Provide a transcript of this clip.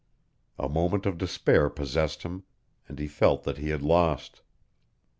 A moment of despair possessed him, and he felt that he had lost.